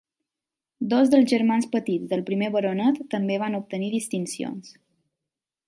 Dos dels germans petits del primer baronet també van obtenir distincions.